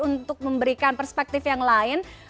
untuk memberikan perspektif yang lain